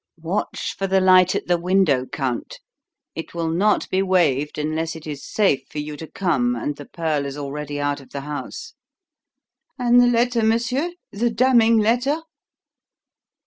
"Watch for the light at the window, Count. It will not be waved unless it is safe for you to come and the pearl is already out of the house." "And the letter, monsieur the damning letter?"